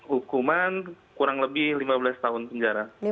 hukuman kurang lebih lima belas tahun penjara